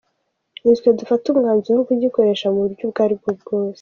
Ni twe dufata umwanzuro wo kugikoresha mu buryo ubwo ari bwo bwose.